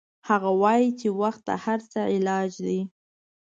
هغه وایي چې وخت د هر څه علاج ده